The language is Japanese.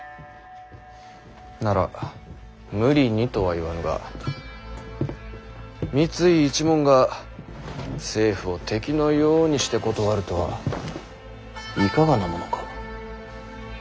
なら無理にとは言わぬが三井一門が政府を敵のようにして断るとはいかがなものか。